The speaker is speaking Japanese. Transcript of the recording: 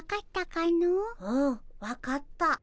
うん分かった。